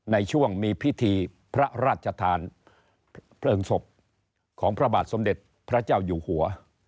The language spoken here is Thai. ในช่วงมีพิธีพระราชทานเพลิงศพของพระบาทสมเด็จพระเจ้าอยู่หัว